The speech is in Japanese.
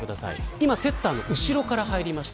今、セッターの後ろから入りました。